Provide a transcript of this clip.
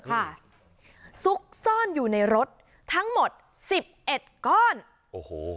ซุกซ่อนอยู่ในรถทั้งหมดสิบเอ็ดก้อนโอ้โห